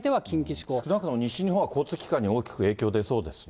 少なくとも西日本は交通機関に大きく影響でそうですね。